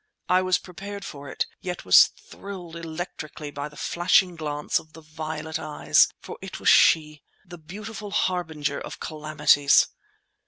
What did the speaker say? I was prepared for it, yet was thrilled electrically by the flashing glance of the violet eyes—for it was she—the beautiful harbinger of calamities!